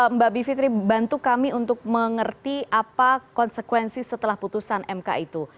mbak bivitri bantu kami untuk mengerti apa konsekuensi setelah putusan mk itu